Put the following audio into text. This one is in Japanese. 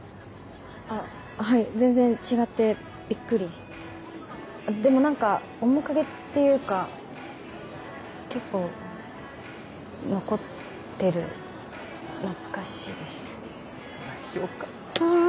あっはい全然違ってびっくりでもなんか面影っていうか結構残ってる懐かしいですよかった